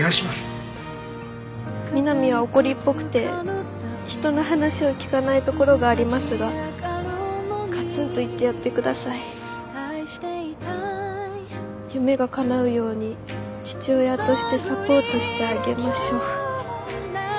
「美波は怒りっぽくて人の話を聞かないところがありますがガツンと言ってやってください」「夢が叶うように父親としてサポートしてあげましょう」